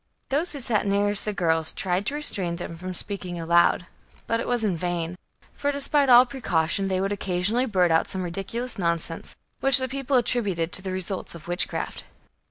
Those who sat nearest the girls tried to restrain them from speaking aloud; but it was in vain; for, despite all precaution, they would occasionally blurt out some ridiculous nonsense, which the people attributed to the results of witchcraft.